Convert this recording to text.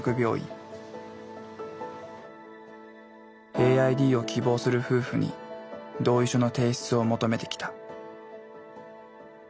ＡＩＤを希望する夫婦に同意書の提出を求めてきた。